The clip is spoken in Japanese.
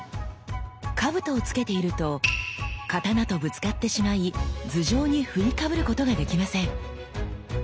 兜を着けていると刀とぶつかってしまい頭上に振りかぶることができません。